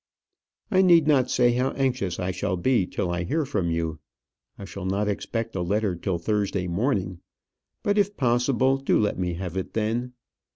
I need not say how anxious I shall be till I hear from you. I shall not expect a letter till Thursday morning; but, if possible, do let me have it then.